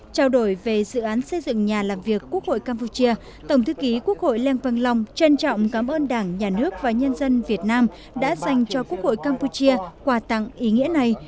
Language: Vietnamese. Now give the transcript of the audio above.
trao đổi về dự án xây dựng nhà làm việc quốc hội campuchia tổng thư ký quốc hội lê văn long trân trọng cảm ơn đảng nhà nước và nhân dân việt nam đã dành cho quốc hội campuchia quà tặng ý nghĩa này